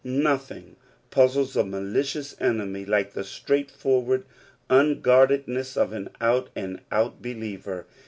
Nothing puzzles a malicious enemy like the straightforward un guardedness of an out and out believer.